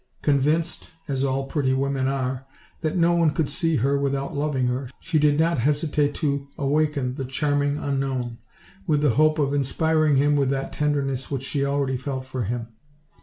Convinced (as all pretty women are) that no one could see her with out loving her, she did not hesitate to awaken the charm ing unknown, with the hope of inspiring him with that tenderness which she already felt for him.